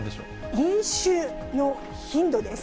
飲酒の頻度です。